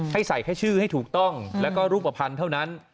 ให้ใส่แค่ชื่อให้ถูกต้องแล้วก็รูปภัณฑ์เท่านั้น